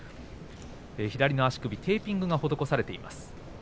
左の足首、テーピングが施されています。